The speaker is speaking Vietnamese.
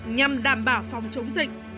nhằm đảm bảo phòng chống dịch